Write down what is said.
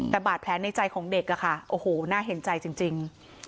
แต่บาดแผลในใจของเด็กโอ้โหน่าเห็นใจจริง